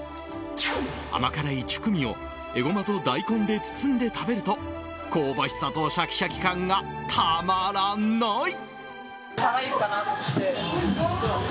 甘辛いチュクミをエゴマと大根で包んで食べると香ばしさとシャキシャキ感がたまらなーい！